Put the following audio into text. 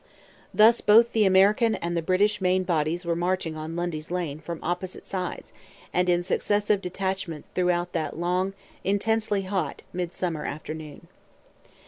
Thus both the American and the British main bodies were marching on Lundy's Lane from opposite sides and in successive detachments throughout that long, intensely hot, midsummer afternoon.